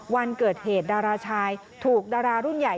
วันเกิดเหตุดาราชายถูกดารารุ่นใหญ่